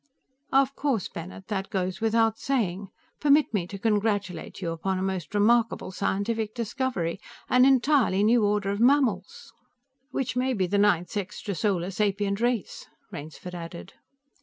"Of course, Bennett; that goes without saying. Permit me to congratulate you upon a most remarkable scientific discovery. An entirely new order of mammals " "Which may be the ninth extrasolar sapient race," Rainsford added.